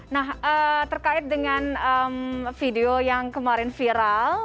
nah terkait dengan video yang kemarin viral